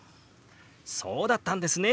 そうだったんですね。